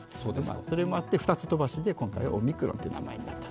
それもあって、２つ飛ばしで今回オミクロンという名前になったと。